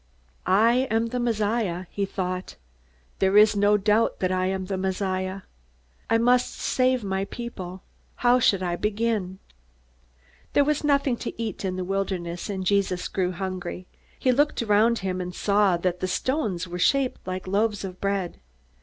I am the Messiah, he thought. There is no doubt that I am the Messiah. I must save my people. How should I begin? There was nothing to eat in the wilderness, and Jesus grew hungry. He looked around him, and saw that the stones were shaped like loaves of bread.